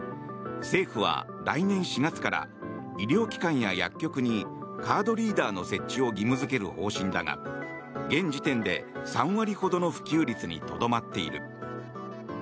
政府は来年４月から医療機関や薬局にカードリーダーの設置を義務付ける方針だが現時点で３割ほどの普及率にとどまっている。